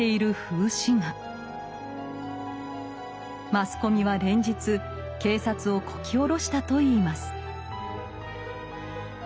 マスコミは連日警察をこき下ろしたといいます。